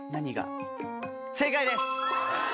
正解です！